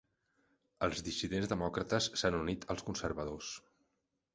Els dissidents demòcrates s'han unit als conservadors.